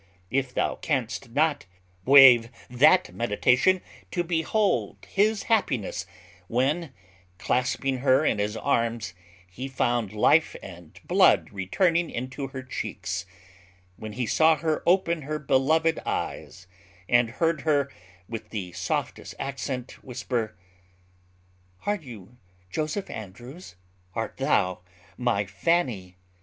If thou canst not, waive that meditation to behold his happiness, when, clasping her in his arms, he found life and blood returning into her cheeks: when he saw her open her beloved eyes, and heard her with the softest accent whisper, "Are you Joseph Andrews?" "Art thou my Fanny?"